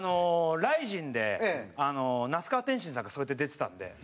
ＲＩＺＩＮで、那須川天心さんがそうやって出てたんで。